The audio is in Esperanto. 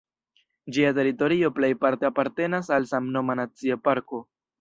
Ĝia teritorio plejparte apartenas al samnoma nacia parko.